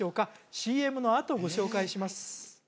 ＣＭのあとご紹介します